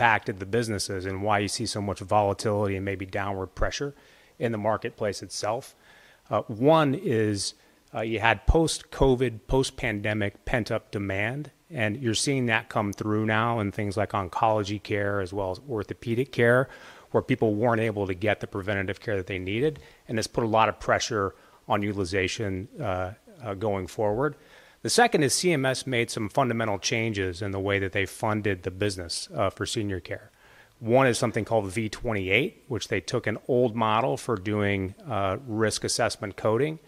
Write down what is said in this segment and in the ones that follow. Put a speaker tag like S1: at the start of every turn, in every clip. S1: Impacted the businesses and why you see so much volatility and maybe downward pressure in the marketplace itself. One is, you had post-COVID, post-pandemic pent-up demand, and you're seeing that come through now in things like oncology care as well as orthopedic care, where people weren't able to get the preventative care that they needed, and it's put a lot of pressure on utilization, going forward. The second is CMS made some fundamental changes in the way that they funded the business, for senior care. One is something called V28, which they took an old model for doing, risk assessment coding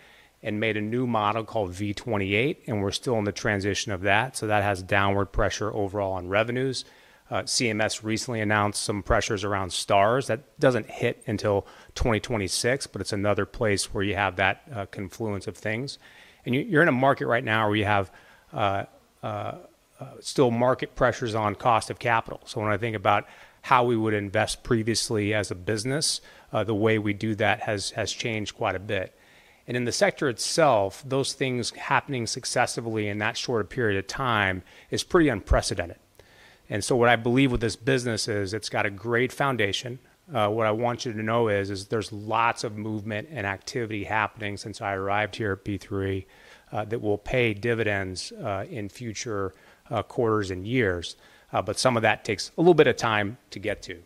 S1: and made a new model called V28, and we're still in the transition of that, so that has downward pressure overall on revenues. CMS recently announced some pressures around Stars that doesn't hit until 2026, but it's another place where you have that, confluence of things. You're in a market right now where you have still market pressures on cost of capital. When I think about how we would invest previously as a business, the way we do that has changed quite a bit. In the sector itself, those things happening successively in that short period of time is pretty unprecedented. What I believe with this business is it's got a great foundation. What I want you to know is there's lots of movement and activity happening since I arrived here at P3, that will pay dividends in future quarters and years, but some of that takes a little bit of time to get to.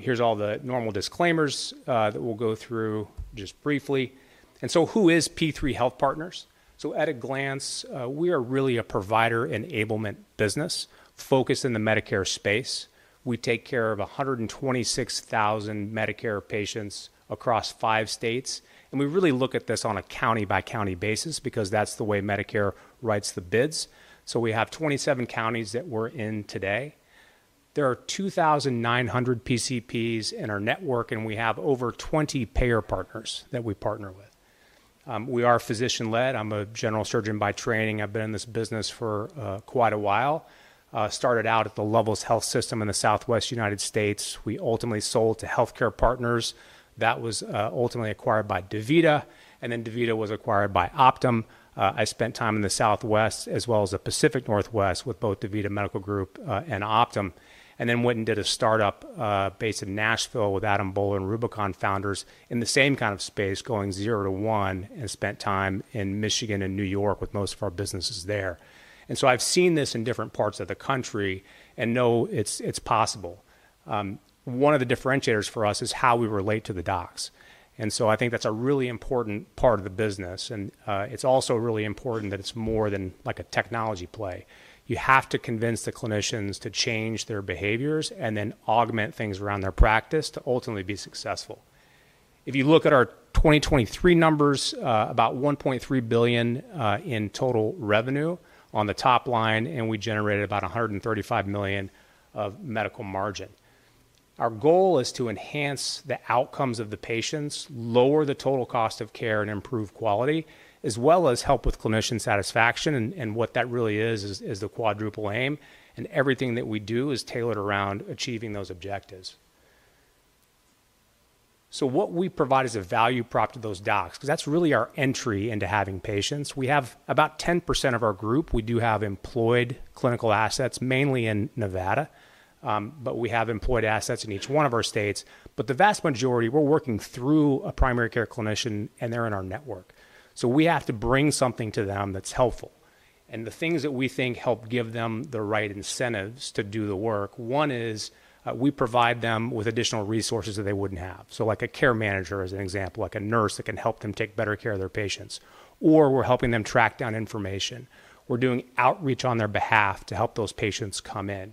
S1: Here's all the normal disclaimers that we'll go through just briefly. Who is P3 Health Partners? At a glance, we are really a provider enablement business focused in the Medicare space. We take care of 126,000 Medicare patients across five states, and we really look at this on a county-by-county basis because that's the way Medicare writes the bids, so we have 27 counties that we're in today. There are 2,900 PCPs in our network, and we have over 20 payer partners that we partner with. We are physician-led. I'm a general surgeon by training. I've been in this business for quite a while. Started out at the Lovelace Health System in the Southwest United States. We ultimately sold to HealthCare Partners. That was ultimately acquired by DaVita, and then DaVita was acquired by Optum. I spent time in the Southwest as well as the Pacific Northwest with both DaVita Medical Group and Optum, and then went and did a startup based in Nashville with Adam Boehler and Rubicon Founders in the same kind of space, going zero to one, and spent time in Michigan and New York with most of our businesses there. And so I've seen this in different parts of the country and know it's possible. One of the differentiators for us is how we relate to the docs. And so I think that's a really important part of the business, and it's also really important that it's more than like a technology play. You have to convince the clinicians to change their behaviors and then augment things around their practice to ultimately be successful. If you look at our 2023 numbers, about $1.3 billion in total revenue on the top line, and we generated about $135 million of edical margin. Our goal is to enhance the outcomes of the patients, lower the total cost of care, and improve quality, as well as help with clinician satisfaction, and what that really is is the Quadruple Aim, and everything that we do is tailored around achieving those objectives. So what we provide is a value prop to those docs because that's really our entry into having patients. We have about 10% of our group. We do have employed clinical assets, mainly in Nevada, but we have employed assets in each one of our states. But the vast majority, we're working through a primary care clinician, and they're in our network. So we have to bring something to them that's helpful. and the things that we think help give them the right incentives to do the work, one is, we provide them with additional resources that they wouldn't have. So like a care manager is an example, like a nurse that can help them take better care of their patients, or we're helping them track down information. We're doing outreach on their behalf to help those patients come in.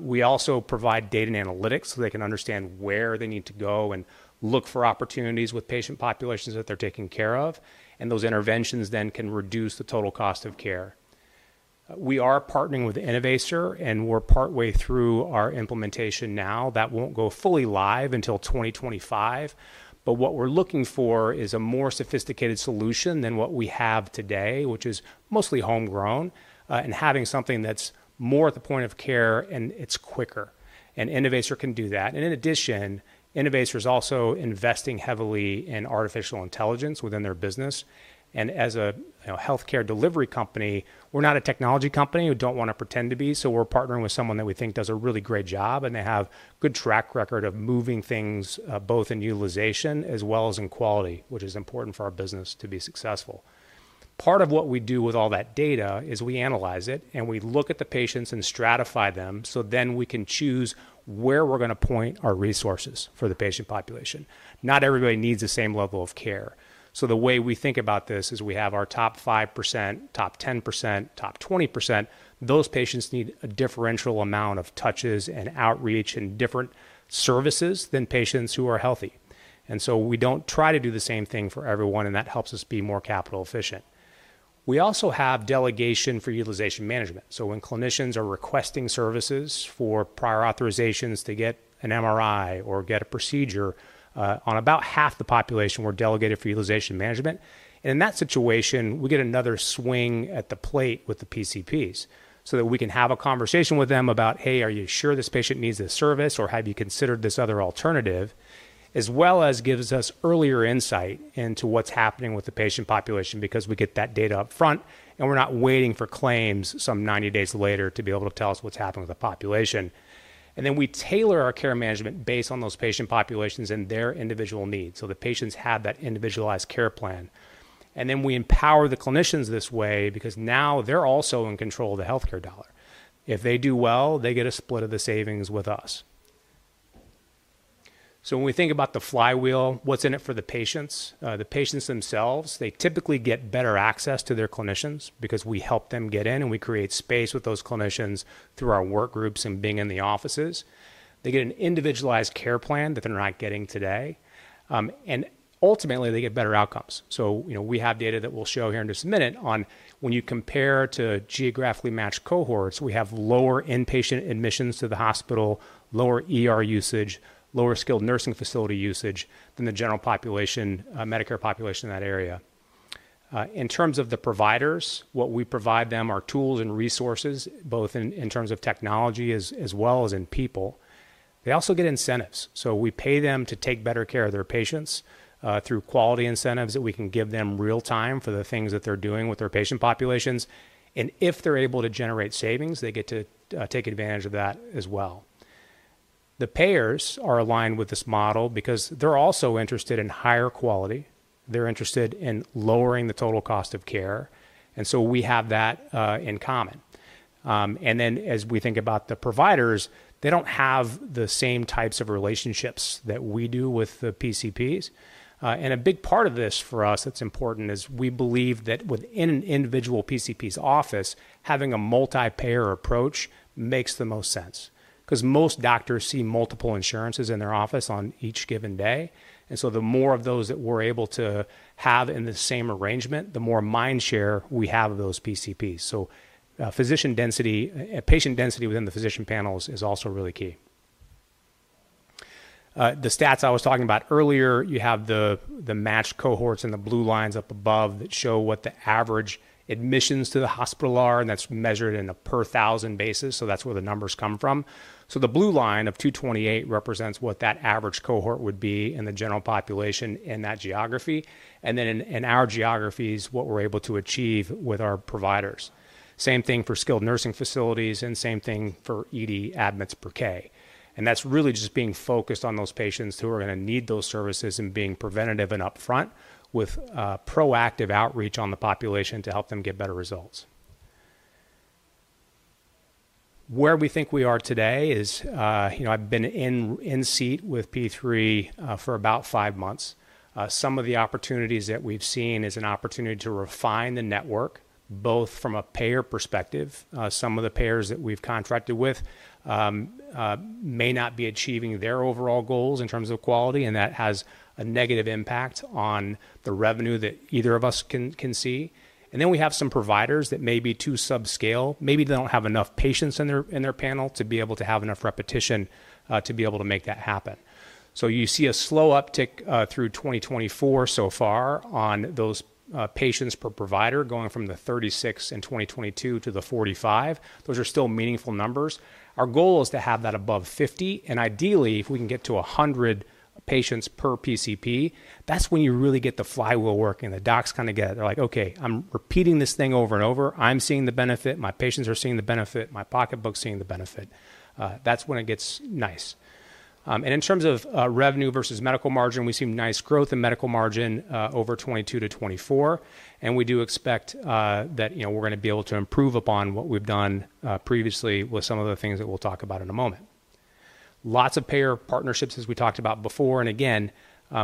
S1: We also provide data and analytics so they can understand where they need to go and look for opportunities with patient populations that they're taking care of, and those interventions then can reduce the total cost of care. We are partnering with Innovaccer, and we're partway through our implementation now. That won't go fully live until 2025, but what we're looking for is a more sophisticated solution than what we have today, which is mostly homegrown, and having something that's more at the point of care, and it's quicker, and Innovaccer can do that. In addition, Innovaccer is also investing heavily in artificial intelligence within their business. As a, you know, healthcare delivery company, we're not a technology company. We don't want to pretend to be. We're partnering with someone that we think does a really great job, and they have a good track record of moving things, both in utilization as well as in quality, which is important for our business to be successful. Part of what we do with all that data is we analyze it, and we look at the patients and stratify them so then we can choose where we're going to point our resources for the patient population. Not everybody needs the same level of care, so the way we think about this is we have our top 5%, top 10%, top 20%. Those patients need a differential amount of touches and outreach and different services than patients who are healthy, and so we don't try to do the same thing for everyone, and that helps us be more capital efficient. We also have delegation for utilization management, so when clinicians are requesting services for prior authorizations to get an MRI or get a procedure, on about half the population, we're delegated for utilization management. And in that situation, we get another swing at the plate with the PCPs so that we can have a conversation with them about, "Hey, are you sure this patient needs this service, or have you considered this other alternative?" as well as gives us earlier insight into what's happening with the patient population because we get that data upfront, and we're not waiting for claims some 90 days later to be able to tell us what's happened with the population. And then we tailor our care management based on those patient populations and their individual needs so the patients have that individualized care plan. And then we empower the clinicians this way because now they're also in control of the healthcare dollar. If they do well, they get a split of the savings with us. So when we think about the flywheel, what's in it for the patients? The patients themselves, they typically get better access to their clinicians because we help them get in, and we create space with those clinicians through our work groups and being in the offices. They get an individualized care plan that they're not getting today, and ultimately they get better outcomes. So, you know, we have data that we'll show here in just a minute on when you compare to geographically matched cohorts, we have lower inpatient admissions to the hospital, lower usage, lower skilled nursing facility usage than the general population, Medicare population in that area. In terms of the providers, what we provide them are tools and resources, both in terms of technology as well as in people. They also get incentives. So we pay them to take better care of their patients, through quality incentives that we can give them real-time for the things that they're doing with their patient populations. And if they're able to generate savings, they get to take advantage of that as well. The payers are aligned with this model because they're also interested in higher quality. They're interested in lowering the total cost of care. And so we have that in common. And then as we think about the providers, they don't have the same types of relationships that we do with the PCPs. And a big part of this for us that's important is we believe that within an individual PCP's office, having a multi-payer approach makes the most sense because most doctors see multiple insurances in their office on each given day. And so the more of those that we're able to have in the same arrangement, the more mind share we have of those PCPs. So, physician density, patient density within the physician panels is also really key. The stats I was talking about earlier, you have the, the matched cohorts and the blue lines up above that show what the average admissions to the hospital are, and that's measured in a per thousand basis. So that's where the numbers come from. So the blue line of 228 represents what that average cohort would be in the general population in that geography. And then in, in our geographies, what we're able to achieve with our providers. Same thing for skilled nursing facilities, and same thing for ED admits per K. And that's really just being focused on those patients who are going to need those services and being preventative and upfront with proactive outreach on the population to help them get better results. Where we think we are today is, you know, I've been in seat with P3 for about five months. Some of the opportunities that we've seen is an opportunity to refine the network, both from a payer perspective. Some of the payers that we've contracted with may not be achieving their overall goals in terms of quality, and that has a negative impact on the revenue that either of us can see. And then we have some providers that may be too subscale. Maybe they don't have enough patients in their panel to be able to have enough repetition to be able to make that happen. So you see a slow uptick through 2024 so far on those patients per provider going from the 36 in 2022 to the 45. Those are still meaningful numbers. Our goal is to have that above 50, and ideally, if we can get to 100 patients per PCP, that's when you really get the flywheel working, and the docs kind of get, they're like, "Okay, I'm repeating this thing over and over. I'm seeing the benefit. My patients are seeing the benefit. My pocketbook's seeing the benefit." That's when it gets nice. And in terms of revenue versus medical margin, we see nice growth in medical margin over 2022 to 2024, and we do expect that you know we're going to be able to improve upon what we've done previously with some of the things that we'll talk about in a moment. Lots of payer partnerships, as we talked about before. And again,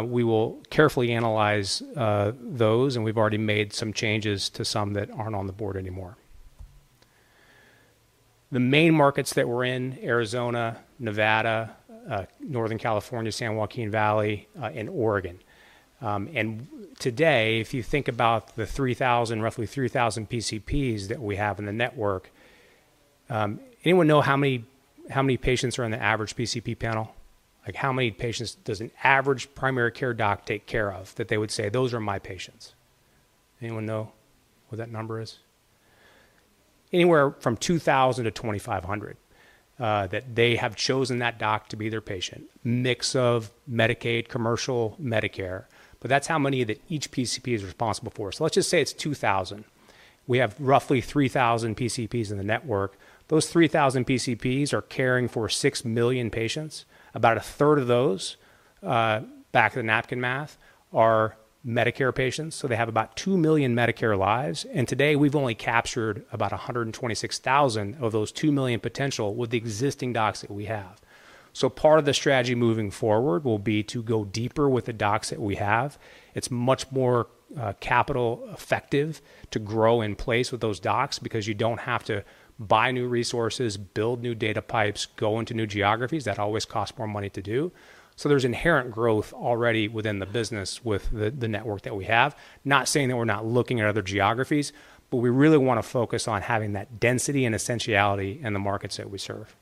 S1: we will carefully analyze those, and we've already made some changes to some that aren't on the board anymore. The main markets that we're in: Arizona, Nevada, Northern California, San Joaquin Valley, and Oregon, and today, if you think about the 3,000, roughly 3,000 PCPs that we have in the network, anyone know how many, how many patients are on the average PCP panel? Like, how many patients does an average primary care doc take care of that they would say, "Those are my patients"? Anyone know what that number is? Anywhere from 2,000 to 2,500, that they have chosen that doc to be their patient. Mix of Medicaid, commercial, Medicare, but that's how many that each PCP is responsible for. So let's just say it's 2,000. We have roughly 3,000 PCPs in the network. Those 3,000 PCPs are caring for 6 million patients. About a third of those, back of the napkin math, are Medicare patients, so they have about 2 million Medicare lives, and today we've only captured about 126,000 of those 2 million potential with the existing docs that we have, so part of the strategy moving forward will be to go deeper with the docs that we have. It's much more capital effective to grow in place with those docs because you don't have to buy new resources, build new data pipes, go into new geographies. That always costs more money to do. So there's inherent growth already within the business with the network that we have. Not saying that we're not looking at other geographies, but we really want to focus on having that density and essentiality in the markets that we serve.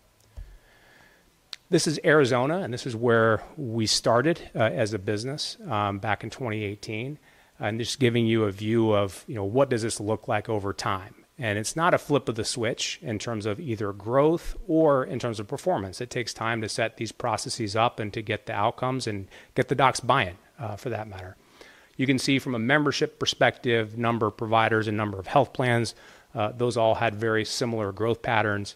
S1: This is Arizona, and this is where we started, as a business, back in 2018, and just giving you a view of, you know, what does this look like over time, and it's not a flip of the switch in terms of either growth or in terms of performance. It takes time to set these processes up and to get the outcomes and get the docs buy-in, for that matter. You can see from a membership perspective, number of providers and number of health plans, those all had very similar growth patterns.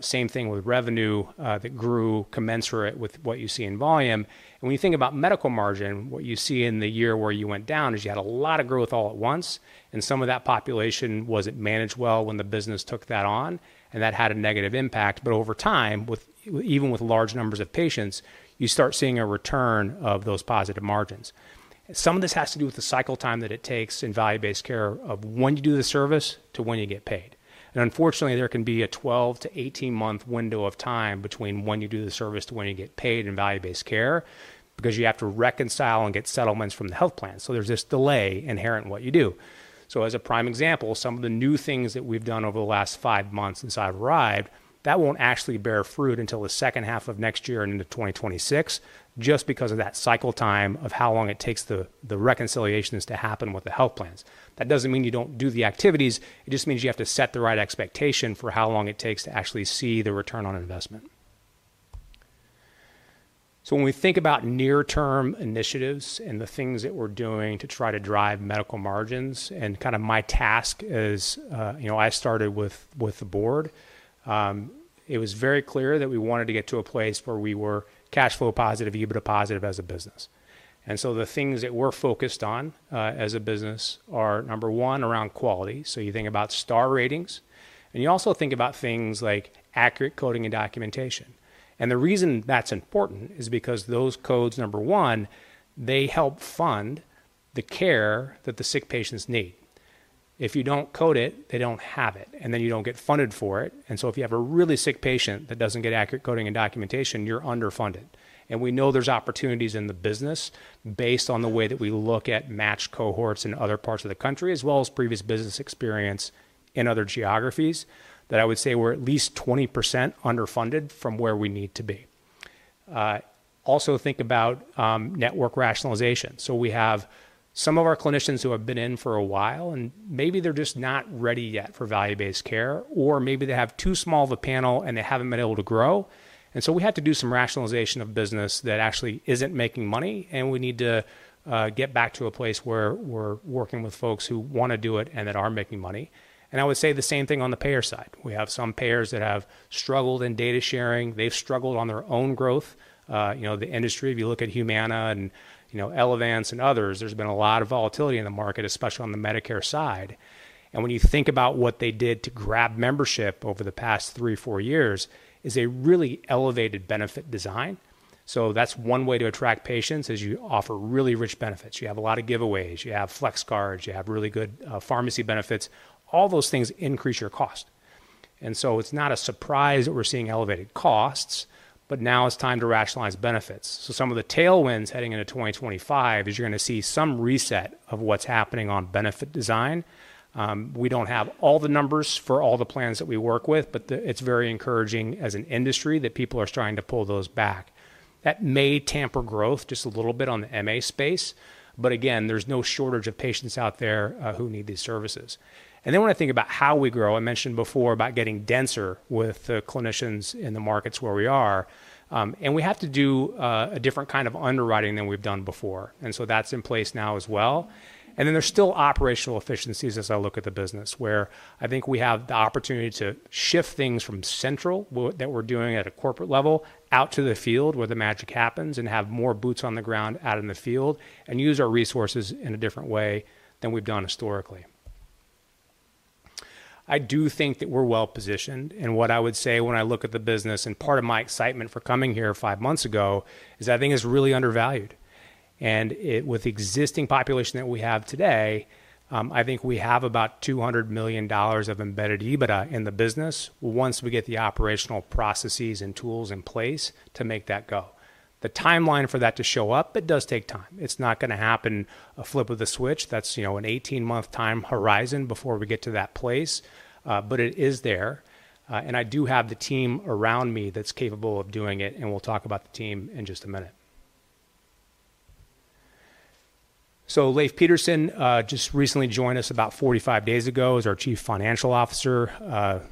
S1: Same thing with revenue, that grew commensurate with what you see in volume. And when you think about Medical Margin, what you see in the year where you went down is you had a lot of growth all at once, and some of that population wasn't managed well when the business took that on, and that had a negative impact. But over time, with even large numbers of patients, you start seeing a return of those positive margins. Some of this has to do with the cycle time that it takes in value-based Care of when you do the service to when you get paid. And unfortunately, there can be a 12- to 18-month window of time between when you do the service to when you get paid in value-based Care because you have to reconcile and get settlements from the health plan. So there's this delay inherent in what you do. So, as a prime example, some of the new things that we've done over the last five months since I've arrived, that won't actually bear fruit until the second half of next year and into 2026 just because of that cycle time of how long it takes the reconciliations to happen with the health plans. That doesn't mean you don't do the activities. It just means you have to set the right expectation for how long it takes to actually see the return on investment. So when we think about near-term initiatives and the things that we're doing to try to drive medical margins, and kind of my task is, you know, I started with the board. It was very clear that we wanted to get to a place where we were cash flow positive, EBITDA positive as a business. And so the things that we're focused on, as a business, are number one around quality. So you think about Star Ratings, and you also think about things like accurate coding and documentation. And the reason that's important is because those codes, number one, they help fund the care that the sick patients need. If you don't code it, they don't have it, and then you don't get funded for it. And so if you have a really sick patient that doesn't get accurate coding and documentation, you're underfunded. And we know there's opportunities in the business based on the way that we look at matched cohorts in other parts of the country, as well as previous business experience in other geographies, that I would say we're at least 20% underfunded from where we need to be. Also think about network rationalization. So we have some of our clinicians who have been in for a while, and maybe they're just not ready yet for value-based care, or maybe they have too small of a panel and they haven't been able to grow. And so we have to do some rationalization of business that actually isn't making money, and we need to get back to a place where we're working with folks who want to do it and that are making money. And I would say the same thing on the payer side. We have some payers that have struggled in data sharing. They've struggled on their own growth. You know, the industry, if you look at Humana and, you know, Elevance and others, there's been a lot of volatility in the market, especially on the Medicare side. And when you think about what they did to grab membership over the past three, four years, it's a really elevated benefit design. So that's one way to attract patients is you offer really rich benefits. You have a lot of giveaways. You have flex cards. You have really good pharmacy benefits. All those things increase your cost. And so it's not a surprise that we're seeing elevated costs, but now it's time to rationalize benefits. So some of the tailwinds heading into 2025 is you're going to see some reset of what's happening on benefit design. We don't have all the numbers for all the plans that we work with, but it's very encouraging as an industry that people are trying to pull those back. That may temper growth just a little bit on the MA space, but again, there's no shortage of patients out there who need these services. And then when I think about how we grow, I mentioned before about getting denser with the clinicians in the markets where we are, and we have to do a different kind of underwriting than we've done before. And so that's in place now as well. And then there's still operational efficiencies as I look at the business, where I think we have the opportunity to shift things from centralizing what we're doing at a corporate level out to the field where the magic happens and have more boots on the ground out in the field and use our resources in a different way than we've done historically. I do think that we're well positioned. What I would say when I look at the business, and part of my excitement for coming here five months ago, is I think it's really undervalued. With the existing population that we have today, I think we have about $200 million of embedded EBITDA in the business once we get the operational processes and tools in place to make that go. The timeline for that to show up, it does take time. It's not going to happen a flip of the switch. That's, you know, an 18-month time horizon before we get to that place. But it is there, and I do have the team around me that's capable of doing it, and we'll talk about the team in just a minute. Leif Pedersen just recently joined us about 45 days ago as our Chief Financial Officer.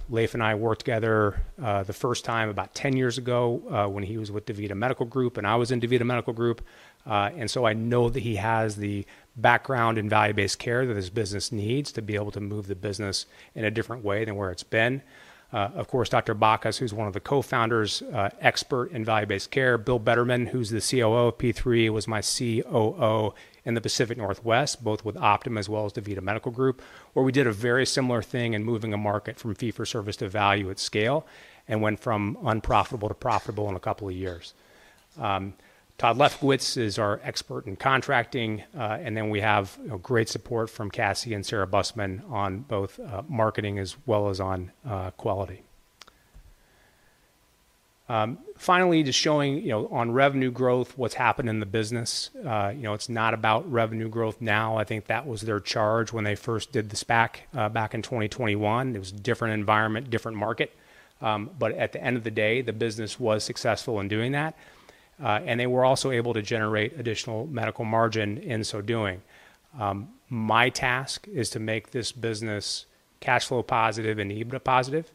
S1: Leif and I worked together, the first time about 10 years ago, when he was with DaVita Medical Group, and I was in DaVita Medical Group. And so I know that he has the background in value-based care that this business needs to be able to move the business in a different way than where it's been. Of course, Dr. Bacchus, who's one of the co-founders, expert in value-based care. Bill Bettermann, who's the COO of P3, was my COO in the Pacific Northwest, both with Optum as well as DaVita Medical Group, where we did a very similar thing in moving a market from fee-for-service to value at scale and went from unprofitable to profitable in a couple of years. Todd Lefkowitz is our expert in contracting. And then we have, you know, great support from Cassie and Sarah Bussmann on both marketing as well as on quality. Finally, just showing, you know, on revenue growth, what's happened in the business. You know, it's not about revenue growth now. I think that was their charge when they first did the SPAC, back in 2021. It was a different environment, different market. But at the end of the day, the business was successful in doing that. And they were also able to generate additional medical margin in so doing. My task is to make this business cash flow positive and EBITDA positive.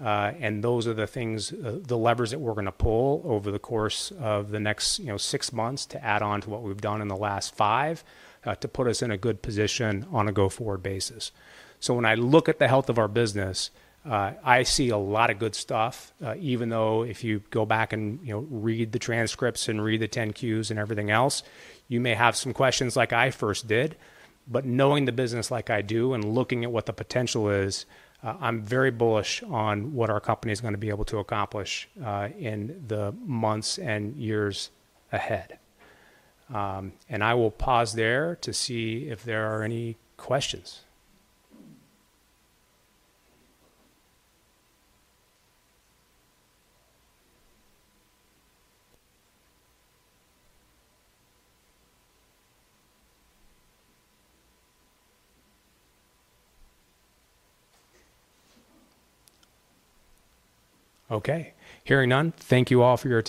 S1: And those are the things, the levers that we're going to pull over the course of the next, you know, six months to add on to what we've done in the last five, to put us in a good position on a go-forward basis. So when I look at the health of our business, I see a lot of good stuff, even though if you go back and, you know, read the transcripts and read the 10-Qs and everything else, you may have some questions like I first did. But knowing the business like I do and looking at what the potential is, I'm very bullish on what our company is going to be able to accomplish, in the months and years ahead. And I will pause there to see if there are any questions. Okay. Hearing none. Thank you all for your.